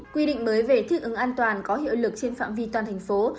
quy định mới về thích ứng an toàn có hiệu lực trên phạm vi toàn thành phố